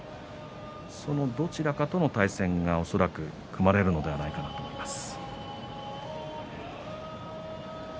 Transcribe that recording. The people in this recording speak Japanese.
そのどちらかとの対戦が恐らく組まれるのではないかなと思います。